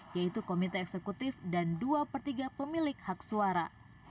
yaitu komite eksekutif dan dua pertiga pemilik hak suara